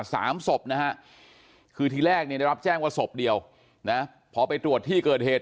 สามศพนะฮะคือทีแรกเนี่ยได้รับแจ้งว่าศพเดียวนะพอไปตรวจที่เกิดเหตุ